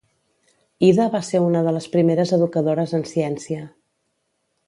Ida va ser una de les primeres educadores en ciència.